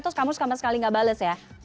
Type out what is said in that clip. terus kamu sama sekali nggak bales ya